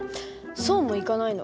そうもいかないの。